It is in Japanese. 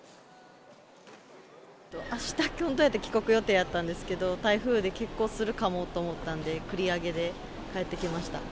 あした、本当だったら帰国予定だったんですけど、台風で欠航するかもと思ったんで、繰り上げで帰ってきました。